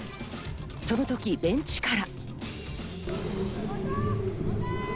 その時、ベンチから。